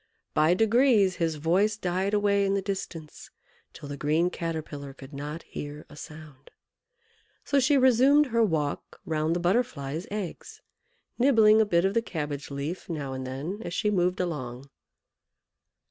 By degrees his voice died away in the distance, till the green Caterpillar could not hear a sound. So she resumed her walk round the Butterfly's eggs, nibbling a bit of the cabbage leaf now and then as she moved along.